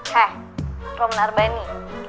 hei romana arbani